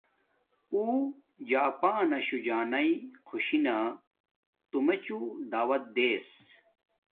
او جپاناشو جانݵ خوشی نا تو میچوں دعوت دیس